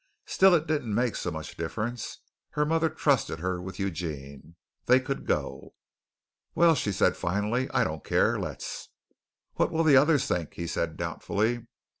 Still it didn't make so much difference. Her mother trusted her with Eugene. They could go. "Well," she said finally, "I don't care. Let's." "What will the others think?" he said doubtfully.